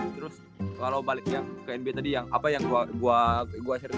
kalo baliknya ke nba tadi yang apa yang gua gue serius